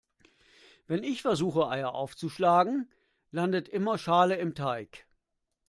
Wenn ich versuche Eier aufzuschlagen, landet immer Schale im Teig.